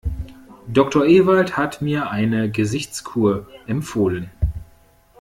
Doktor Ewald hat mir eine Gesichtskur empfohlen.